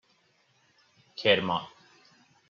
کرمان